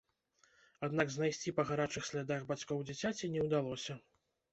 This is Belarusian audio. Аднак знайсці па гарачых слядах бацькоў дзіцяці не ўдалося.